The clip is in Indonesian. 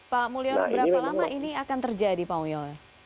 pak mulyono berapa lama ini akan terjadi pak mulyo